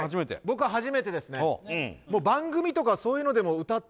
僕は初めてですねえっ！